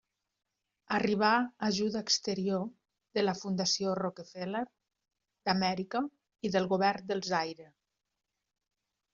Arribà ajuda exterior de la Fundació Rockefeller d'Amèrica i del govern del Zaire.